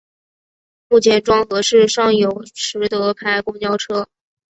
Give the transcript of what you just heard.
目前庄河市尚有实德牌公交车。